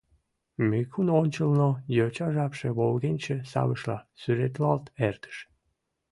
Микун ончылно йоча жапше волгенче савышла сӱретлалт эртыш.